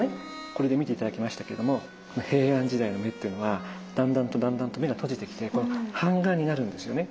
これで見て頂きましたけれども平安時代の目っていうのはだんだんとだんだんと目が閉じてきて半眼になるんですよね。